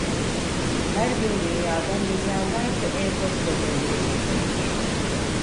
Her gün dünyada milyarlarca e-posta gönderilmektedir.